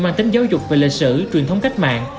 mang tính giáo dục về lịch sử truyền thống cách mạng